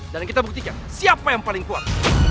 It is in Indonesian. dan kita buktikan siapa yang paling kuat